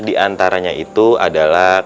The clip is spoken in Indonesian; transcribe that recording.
di antaranya itu adalah